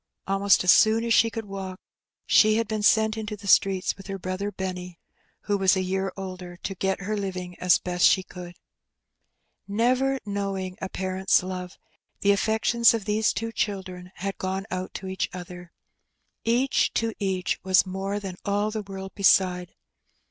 Almost as soon as she could walk she had been senit into^ the^ streets with her brother Benny, who was a * k » Brother and Sister. year older, to get her living as best she could. Never know ing a parent's love, the affections of these two children had gone out to each other. Each to each was more than all the world beside.